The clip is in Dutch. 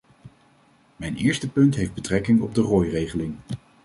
Mijn eerste punt heeft betrekking op de rooiregeling?